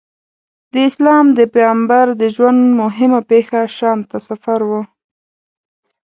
د اسلام د پیغمبر د ژوند موهمه پېښه شام ته سفر و.